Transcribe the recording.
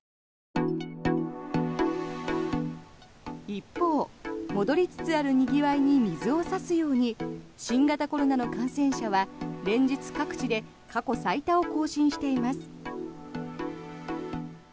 一方、戻りつつあるにぎわいに水を差すように新型コロナの感染者は連日各地で過去最多を更新しています。